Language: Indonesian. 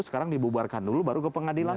sekarang dibubarkan dulu baru ke pengadilan